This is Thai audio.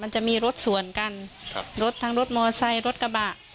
ใช่ค่ะ